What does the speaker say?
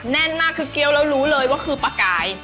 แน่นมากคือเกี้ยวแล้วรู้เลยว่าคือปลากาย